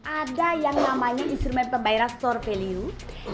ada yang namanya instrumen pembayaran store value